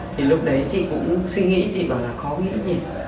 thì lúc đấy chị cũng suy nghĩ chị bảo là khó nghĩ gì